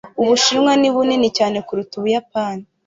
ubushinwa ni bunini cyane kuruta ubuyapani